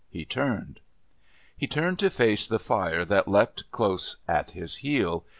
He turned. He turned to face the fire that leapt close at his heel.